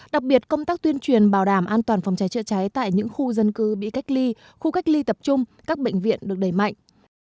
đặc biệt công tác tuyên truyền bảo đảm an toàn phòng cháy chữa cháy tại những khu dân cư bị cách ly khu cách ly tập trung các bệnh viện được đẩy mạnh